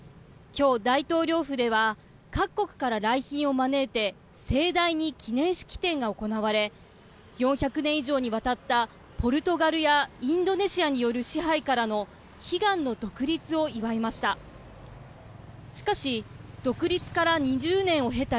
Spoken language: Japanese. きょう、大統領府では各国から来賓を招いて盛大に記念式典が行われ４００年以上にわたったポルトガルやインドネシアによる支配からの悲願の独立を祝いました。